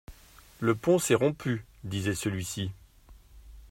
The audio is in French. Le pont s’est rompu, disait celui-ci.